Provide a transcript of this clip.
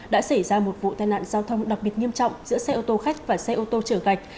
đã xảy ra một vụ tai nạn giao thông đặc biệt nghiêm trọng giữa xe ô tô khách và xe ô tô chở gạch